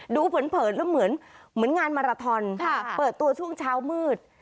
เผินแล้วเหมือนงานมาราทอนเปิดตัวช่วงเช้ามืด